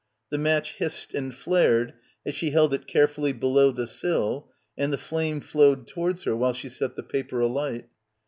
The match hissed and flared as she held it carefully below the sill, and the flame flowed towards her while she set the paper alight.